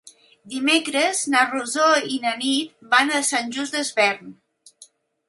Dimecres na Rosó i na Nit van a Sant Just Desvern.